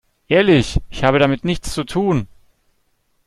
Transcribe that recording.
Ehrlich, ich habe damit nichts zu tun!